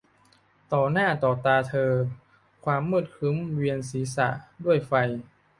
ต่อหน้าต่อตาเธอความมืดครึ้มเวียนศีรษะด้วยไฟ